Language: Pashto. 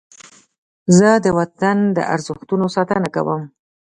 زه د وطن د ارزښتونو ساتنه کوم.